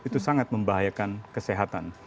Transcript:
itu sangat membahayakan kesehatan